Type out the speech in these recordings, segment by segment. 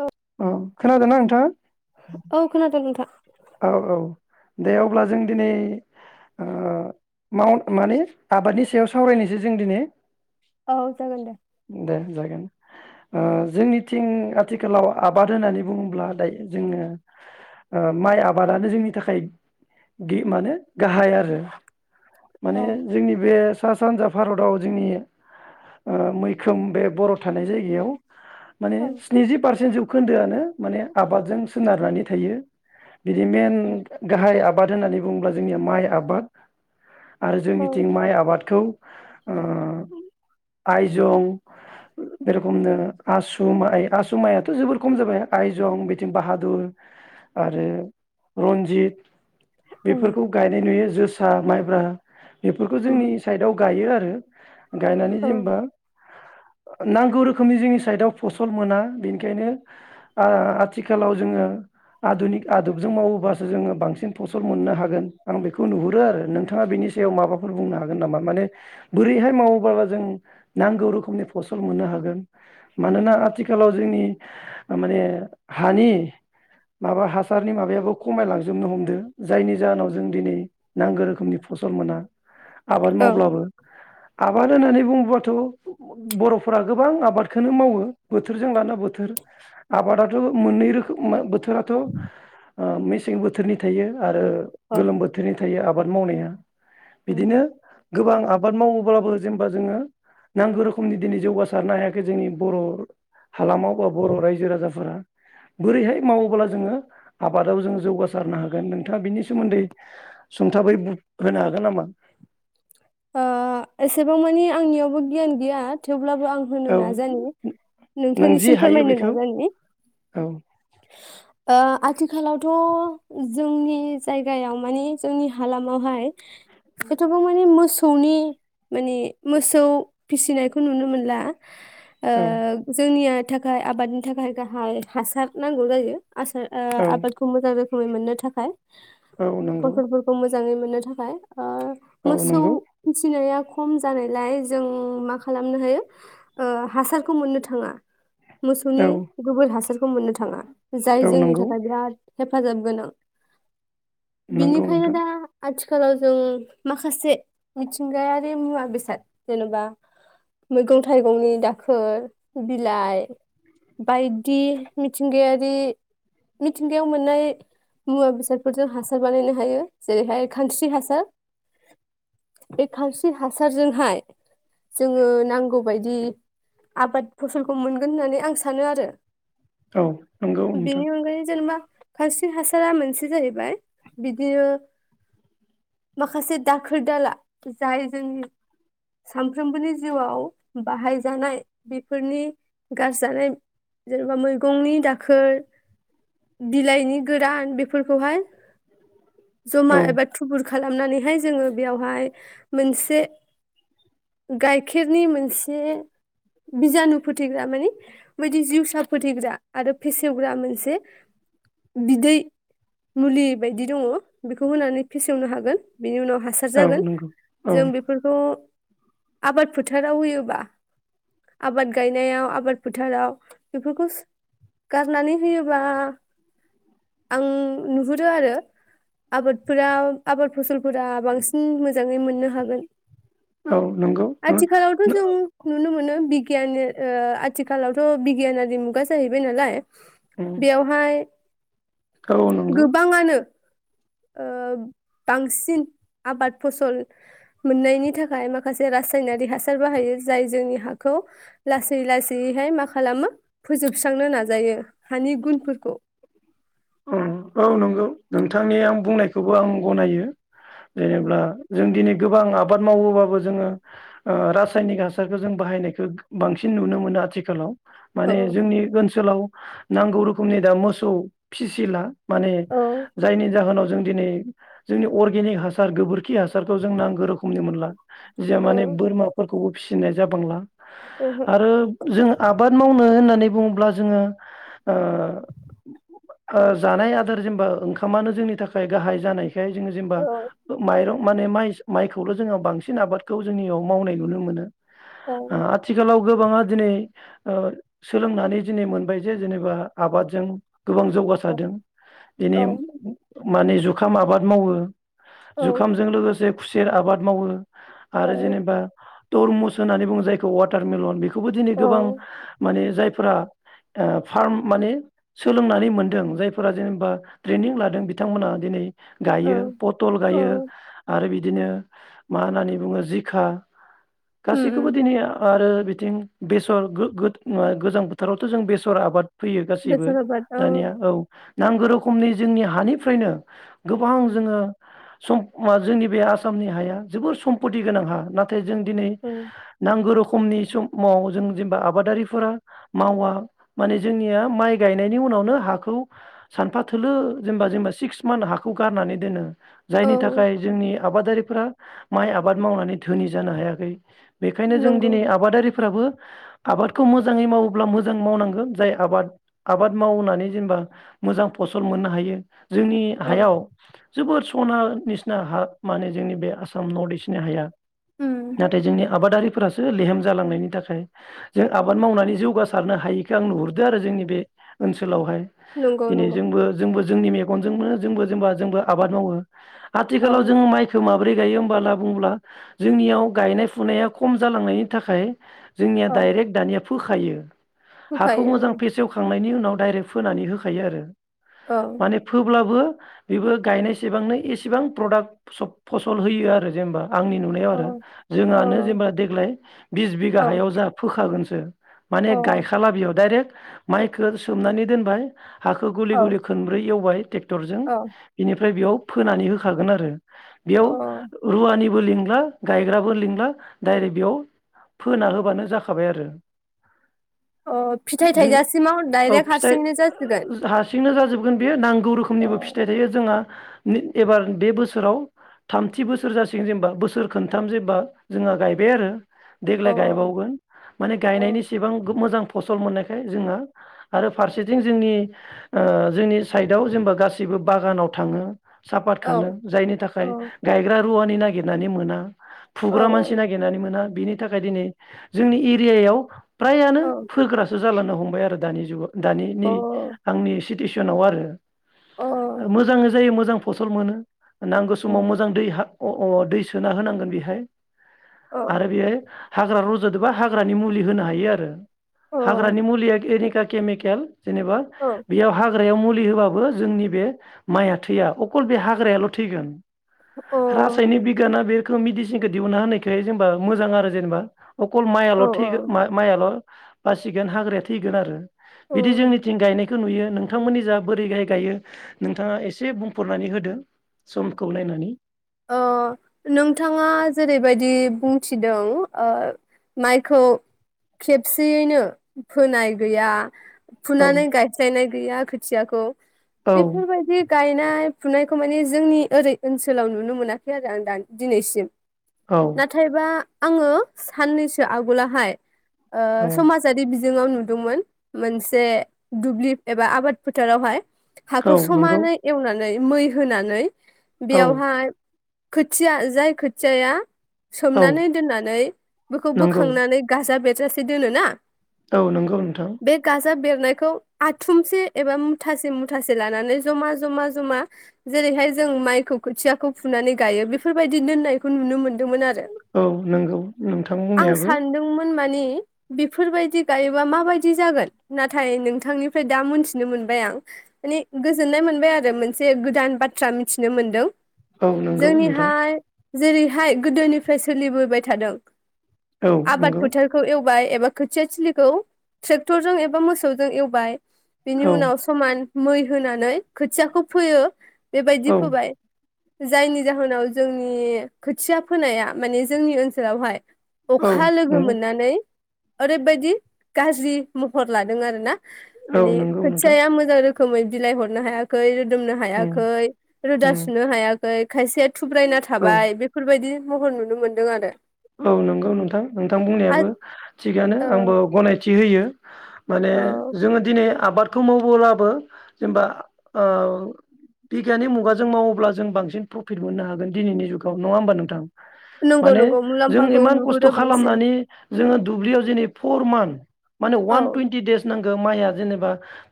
औ अ खोनादोंना नोंथाङा? औ खोनादों नोंथां औ औ दे अब्ला जों दिनै ओ माव माने आबादनि सायाव सावरायनोसै जों दिनै। औ जागोन दे दे जागोन। ओ जोंनिथिं आथिखालाव आबाद होननानै बुङोब्ला दायो जोङो ओ माइ आबादानो जोंनि थाखाय गि मानो गाहाय आरो। औ माने जोंनि बे सा सानजा भारत आव जोंनि ओ मैखोम बे बर' थानाय जायगायाव। माने औ स्निजि पारसेन जौ खोन्दोआनो माने आबादजों सोनारनानै थायो बिदि मेन गाहाय आब बाद होन्नानै बुङोब्ला जोंनिया माइ आबाद आरो औ जोंनिथिं माइ आबादखौ ओ आइजं बे रखमनो आसु माइ आसु माइयाथ' जोबोर खम जाबाय आयजं बेथिं बाहादुर आरो रन्जित बेफोरखौ गायनाय नुयो जोस जोसा माइब्रा बेफोरखौ औ जोंनि साइडआव गायो आरो गायनानै जेनबा नांगौ रोखोमनि जिनिस साइदआव फसल मोना बेनिखायनो ओ आथिखालाव जोङो आधुनिक आदबजों मावोबासो जोङो बांसिन फसल मोननो हागोन आं बेखौ नुहुरो आरो नोंथाङा बेनि सायाव माबाफोर बुंनो हागोन नामा माने बोरैहाय मावोबाला जों नांगौ रोखोमनि फसल मोननो हागोन मानोना आथिखालाव जोंनि माने हानि माबा हासारनि माबायाबो खमायलांजोबनो हमदो जायनि जाहोनाव जों दिनै नांगो रोखोमनि फसल मोना आबाद औ मावब्लाबो आबाद होननानै बुङोबाथ' बर'फोरा गोबां आबादखोनो मावो बोथोरजों लाना बोथोर आबादाथ' मोननै रोखोमा बोथोराथ थ' ओ मेसें बोथोरनि थायो आरो औ गोलोम बोथोरनि थायो आबाद मावनाया बिदिनो गोबां आबाद मावोब्लाबो जेनबा जोङो नांगौ रोखोमनि दिनै जौगासारनो हायाखै जोंनि बर' हालामाव बा बर' रायजो राजाफोरा बोरैहाय मावोबोला जोङो आबादाव जों जौगासारनो हागोन नोंथाङा बिनि सोमोन्दै सुंथाबै बु होनो हागोन नामा ओ एसेबां मानि आंनियावबो गियान गैया थेवब ब्लाबो आं होनो औ नाजानि नों जि नोंथांनिसिम हायो फोरमायनो बेखौ नाजानि औ ओ आथिखालावथ' जोंनि जायगायाव माने जोंनि हालामावहाय मानि मोसौनि माने मोसौ फिसिनायखौ नुनो मोनला औ ओ जोंनिया थाखाय आबादनि थाखाय गाहाय हासार नांगौ जायो। आसार ओ औ आबादखौ मोजां रो रै मोननो थाखाय औ नंगौ मोजांङै मोननो थाकाय आ औ मोसौ नंगौ फिसिनाया ख खम जानायलाय जों मा खालामनो हायो ओ हासारखौ मोननो थांङा। मोसौनि औ गोबोर हासार खौ मोननो थांङा जाय औ जोंनि नंगौ थाखाय बिराद हेफाजाब गोनां बिनि नंगौ खायनो नोंथां दा आथि खालाव जों माखासे मिथिंगायारि मुवा बेसाद होनोबा मैगं थाइगंनि दाखोर बिलाइ बायदि मिथिंगायारि मिथिंगायाव मोननाय मुवा बेसादफोरजों हासार बानायनो हायो जेरैहाय खानस्रि हासार बे खानस्रि हासारजोंहाय जोङो नांगौ बायदि आबाद फसलखौ मोनगोन होननानै आं सानो आरो औ नंगौ नोंथां बेनि अनगायै जेनेबा खानस्रि हासारा मोनसे जाहैबाय बिदियो माखासे दाखोर दाला जाय जोंनि सानफ्रोमबोनि जिउआव बाहायजानाय बेफोरनि गारजानाय जेनेबा मैगंनि दाखोर बिलाइनि गोरान बेफोरखौहाय जमा औ एबा थुबुर खालामनानैहाय जोङो बेयावहाय मोनसे गाइखेरनि मोनसे बिजानु फोथैग्रा माने बायदि जिउसा फोथैग्रा आरो फेसेवग्रा मोनसे बिदै मुलि बायदि दंङ बेखौ होनानै फेसेव सोंनो हागोन बिनि उनाव हासार औ जागोन नंगौ औ जों बेफोरखौ आबाद फोथाराव होयोबा आबाद गायनायाव आबाद फोथाराव बेफोरखौ सो गारनानै होयोबोला आं नुहुरो आरो आबादफोराव आबाद फसलफोरा बांसिन मोजांङै मोननो होगोन। औ नंगौ नो आथिखालावथ' नो जों नुनो मोनो बिग बिगियानो ओ आथिखालावथ' बिगियानारि मुगा जाहैबाय नालाय बेयावहाय औ नंगौ गोबांङानो ओ ब बांसिन आबाद फसल मोननायनि थाखाय माखासे रासायनारि हासार बाहायो जाय जोंनि हाखौ लासै लासैयैहाय मा खालामो फोजोबस्रांनो नाजायो हानि गुनफोरखौ। ओं औ नंगौ नोंथांनि आं बुंनायखौबो आं गनायो औ जेनेबोला जों दिनै गोबां आबाद मावोबाबो जोंङो ओ रासायनिक हासारखो जों बाहायनायखो बांसिन नुनो मोनो आथिकालाव। औ माने जोंनि ओनसोलाव नांगौ रोखोमनि दा मोसौ फिसिला माने जायनि जाहोनाव जों दिनै जोंनि अरगेनिख हासार गोबोरखि हासारखौ जों नां गोरोब हमनो मोनला जिया माने बोरमाफोर खौबो फिसिनाय जाबांला ओहो आरो जों आबाद मावनो होननानै बुङोब्ला जोङो ओ आ जानाय आदार जेनेबा ओंखामानो जोंनि थाखाय गाहाय जानाय बेहाय जोङो जेनेबा औ माइरं माने माइ माइखौल' जोङो बांसिन आबादखौ जोंनियाव मावनाय नुनो मोनो औ आथिखालाव गोबाङा दिनै ओ सोलोंनानै दिनै मोनबाय जे जेनेबा आबादजों गोबां दों औ इनिम माने जुखाम आबाद मावो औ जुखामजों लोगोसे खुसेर आबाद मावो आरो जेनेबा टरमुस होननानै बुङो जायखौ वाटारमेलन बे खौबो दिनै औ गोबां माने जायफ्रा ओ फार्म माने सोलोंनानै मोनदों जायफोरा जेनेबा ट्रेनिं लादों बिथांमोनहा दिनै गायो पथल औ गायो आरो बिद बिदिनो मा होननानै बुङो जिखा उम गासैखौबो उम दिनै आरो बिथिं बेसर गोगोथ नुया गोजां बोथोरावथ' जों बेसर आबाद फैयो गासैबो बेसर आबाद औ दानिया औ नांगौ रोखोमनि जोंनि हानिफ्रायनो गोबां जोङो सम आ जोंनि बे आसामनि हाया जोबोर सम्पति गोनां हा नाथा य जों दिनै औ नांगौ रोखो खोमनि समाव जों जेनेबा आबादारिफोरा मावा माने जोंनिया माइ गायनायनि उनावनो हाखौ सानफा थोलो जेनेबा जेनेबा सिक्स मान्थ हाखौ गारनानै दोनो जायनि औ थाखाय जोंनि आबादारिफ्रा माइ आबाद मावनानै धोनि जानो हायाखै। बेखायनो जों नंगौ दिनै आबादारिफ्राबो आबादखौ मोजाङै मावोब्ला मोजां मावनांगोन जाय आबाद आबाद मावनानै जेनेबा मोजां फसल मोननो हायो। जोंनि औ हायाव जोबोद सना निसना हा माने जोंनि बे आसाम नर्थ इस्टनि हाया। उम नाथाय जोंनि आबादारिफोरासो लेहेम जालांनायनि थाखाय जों आबाद मावनानै जौगासारनो हायिखौ आं नुहुरदों आरो जोंनि बे ओनसोलावहाय। नंगौ दिनै नंगौ जोंबो जोंबो जोंनि मेगनजोंनो जोंबो जेनेबा जोंबो आबाद मावो। औ आथिखालाव जों माइखौ माबा बोरै गायो होमबला बुङोब्ला जोंनियाव गायनाय फुनाया खम जालांनायनि थाखाय जोंनिया औ दाइरेक्ट दानिया फोखायो हाखौ होखायो मोजां फेसेवखांनायनि उनाव दाइरेक्ट फोनानै होखायो आरो औ माने फोब्लाबो बेबो गायनायसेबांनो एसेबां प्रडाक्ट फसल होयो आरो जेनेबा आंनि नुनायाव आरो औ जोंहानो औ जेनेबा देग्लाय बिस बिघा औ हायाव जा फोखागोन स आरो माने औ गायखाला बेयाव डाइरेक्ट माइखौ सोमनानै दोनबाय हाखौ गलि गुलि औ खनब्रै एवबाय टेकटरजों औ बिनिफ्राय बेयाव फोनानै होखागोन आरो अ बेयाव रुवानि लिंला गायग्राबो लिंला डाइरेक्ट बेयाव फोना होबानो जाखाबाय आरो अ फिथाइ जों थाइजासिमाव डाइरेक्ट हा सिंनो जासिगोन बेनो जाजोबगोन बे नांग गौ अ रोखोमनिबो फिथाइ थायो जोंहा एबार बे बोसोराव थामथि बोसोर जासिगोन जेनेबा बोसोर खोनथाम जेनबा जोंहा गायबाय आरो अ देग्लाय गायबावगोन माने गायनायनिसिबां मोजां फसल मोननायखाय जोङो आरो फारसेथिं जोंनि अ जोंनि साइडआव जेनेबा गासिबो बागानाव थाङो सापात अ खानो औ जायनि औ थाखाय गायग्रा रुवानि नागिरनानै मोना औ फुग्रा मानसि नागिरनानै मोना बिनि थाखाय दिनै जोंनि एरियायाव फ्रायानो औ फोग्रासो जालांनो हमबाय आरो दानि जुगाव दानि अ नि आंनि सि टिसनाव आरो अ आरो मोजां जायो मोजां फसल मोनो नांगौ समाव मोजां दै हा- अ अ दै सोना होनांगोन बेहाय अ आरो बियो हाग्रा रजदोबा हाग्रानि मुलि होनो हायो आरो औ हाग्रानिमुलिया केमिकेल केमे- केेल जेनेबा औ बेयावहा हाग्रायाव मुलि होबाबो जोंनि बे माइया थैया अकल बे हाग्रायाल' थैगोन। रासायनि बिगाना बे मेदिसिनखौ दिहुनना होनायखाय जेनेबा मोजां आरो जेनेबा अकल औ माइल' थैगो मा-माइल' बासिगोन हाग्राया थैगोन आरो बिदि जोंनिथिं गायनाय खौ नुयो नोंथांमोननि जा बोरै गाय- गायो नोंथाङा एसे बुंफोरनानै होदो समखौ नायनानै अ नोंथाङा जेरैबायदि बुंथिदों माइखौ अ खेबसेयैनो फोनाय गैया औ फुनानै गायस्लायनाय गैया खोथियाखौ औ बेफोरबायदि गायनाय फुनायखौ माने जोंनि ओरै ओनसोलाव नु- नो मोनाखै आरो आं दान दिनैसिम। औ नाथायबा आङो साननैसो आगोलाहाय अ औ समाजारि बि- जों आव नुदोंमोन मोनसे दुब्लि एबा आबाद फोथारावहाय हाखौ औ नंगौ समानै एवनानै मै होनानै औ बेवहाय खोथिया जाय खोथियाया औ सोमनानै दोननानै बेखौ नंगौ बोखांनानै गाजा बेर जासे दोनोना औ नंगौ नोंथां। बेरनायखौ आथुमसे एबा मुथासे -मुथासे लानानै जमा- जमा -जमा जेरैहाय जों माइखौ खोथियाखौ फुनानै गायो बेफोरबायदि दोननायखौ नुनो मोनो औ नंगौ नोंथां बुंनायाबो माने बेफोरबायदि गायोबा माबायदि जागोन नाथाय नोंथांनिफ्राय दा मोनथिनो मोनबाय आं माने गोजोननाय मोनबाय आरो मोनसे गोदान बाथ्रा मिथिनो मोनदों। औ नोंगौ नोंथां। जोंनिहाय जेरैहाय गोदोनिफ्राय सोलिबोबाय थादों औ आबाद नंगौ फोथारखौ एव बाय एबा खोथिया थिलिखौ ट्रेक्टरजों एबा मोसौजों एवबाय बिनि औ उनाव समान मै होनानै खोथियाखौ फोयो बेबायदि औ फोबाय जायनि जाहोनाव जोंनि खोथिया फोनाया माने जोंनि ओनसोलावहाय औ अखा लोगो नंगौ मोननानै ओरैबायदि गाज्रि महर लादों आरो ना, औ माने नंगौ नोंथां खोथियाया मोजां रो खोमै बिलाइ हरनो हायाखै रो दोमनो उम हायाखै रोदा उम सुनो हाया खै खायसेया थुब्रायना औ थाबाय बेफोरबायदि महर नुनो मोन्दों आरो। औ नंगौ नोंथां नोंथां आरो बुंनायाबो थिगानो आंबो गनायथि होयो माने औ जोङो दिनै बे आबादखौ मावोब्लाबो जेनबा ओ बिगियानि मुगाजों मावोब्ला जों बांसिन प्रफिट मोननो हागोन दिनैनि जुगाव नङा होमबा नोंथां? नोंगौ माने नोंगौ। जों इमान खस्थ' खालामनानै जोङो दुब्लियाव जेनै फर मान्थ माने औ वान टुइन्टि देस नां गौ माइआ जेनेबा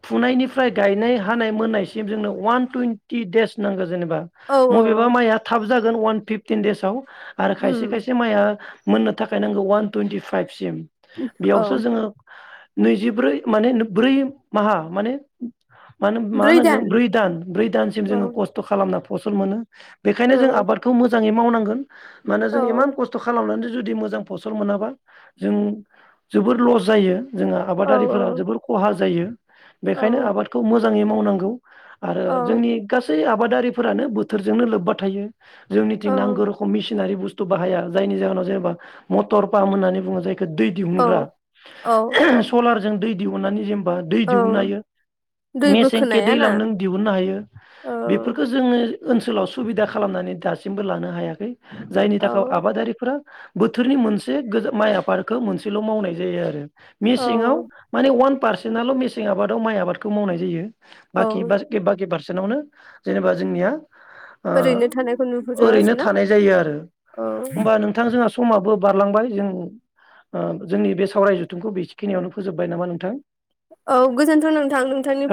फुनायनिफ्राय गायनाय हानाय मोननायसिम जोंनो वान टुइन्टि देस नांगो जेनेबा औ मबेबा औ माया थाब जा गोन वान पिपटिन देेजसआव। आरो खायसे उम आ मोननो थाखाय नांगौ वान टुन्टि फाइभ सिम। औ बेयावसो जोङो नैजिब्रै माने ब्रै माहा माने मानो मा होनांगो ब्रै दान ब्रै दानसिम औ जोङो खस्थ' खालामना फसल मोनो। बेखायनो औ जों आबादखौ मोज मोजाङै मावनांगोन औ जों इमान खस्थ' खालामनानै जुदि मोजां फसल मोनाबा जों जोबर लस जायो। जोंहा औ आबादारिफोरा जोबोर खहा जायो। औ बेखायनो आबादखौ मोजां मोजाङै मावनांगौ आरो जोंनि गासै आबाद दारिफोरानो बोथोरजोंनो लोब्बा थायो। जोंनिथिं नांगौ औ रोखम मिसिनारि बुस्थु खो बाहाया जायनि जाहोनाव जेनेबा मथर फाम होननानै बुङो जाय दै औ दिुहुनग्रा औ सलार जों दैहुनानै जे बा दै दिहुननो औ हायो दै मेसें खे बोखोनाया ना दैलां नों दिहुननो हायो औ बेफोरखौ जोङो ओनसोलाव सुबिदा खालामनानै दासिमबो लानो हायाखै जायनि थाखाय गाव औ आबादारिफोरा बोथोरनि मोनसे माइ आबादखौ मोनसेल' मावनाय जायो आरो औ मेसेङाव माने वान पारसेटल' मेसें आबादाव माइ आबादखौ मावनाय जायो। बाखि औ बास गि बागि बार नावनो जेनेबा जोंनिया ओ ओरैनो थानायखौ नुहुरो ओरैनो आरोना थानाय जायो आरो। होमबा नोंथां औ जोंहा समाबो बारलांबाय जों जोंनि ओ बे सावराय जथुमखौ बेसेखिनियावनो फोजोब्बाय नामा नोंथां औ गोजोनथ' नोंथां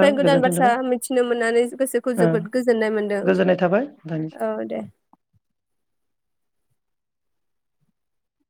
ओ गोदान गोजोनथों बाथ्रा थाबाय मिथिनो मोननानै गोसोखौ ओ जोबोद गोजोननाय मोनदों गोजोननाय थाबाय नोंथांनिसिम औ दे